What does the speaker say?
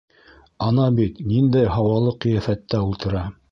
Ана бит ниндәй һауалы ҡиәфәттә ултыра!